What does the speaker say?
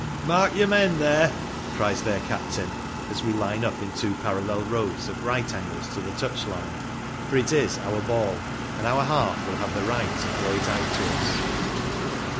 " Mark your men there !" cries their captain, as we line up in two parallel rows at right angles to the touch line ; for it is " our ball," and our half will have the right to throw it out to us.